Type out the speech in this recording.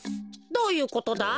どういうことだ？